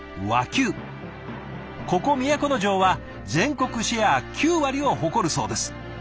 ここ都城は全国シェア９割を誇るそうです。